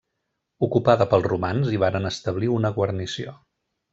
Ocupada pels romans, hi varen establir una guarnició.